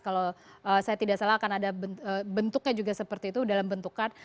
kalau saya tidak salah akan ada bentuknya juga seperti itu dalam bentuk card